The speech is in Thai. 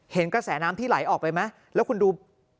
เห็นกระแสน้ำที่ไหลออกไปไหมแล้วคุณดู